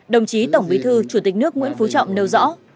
đồng chí tổng bí thư chủ tịch nước nguyễn phú trọng nêu rõ